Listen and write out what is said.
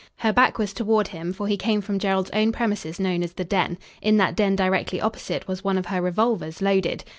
Her back was toward him, for he came from Gerald's own premises known as the den. In that den, directly opposite, was one of her revolvers, loaded.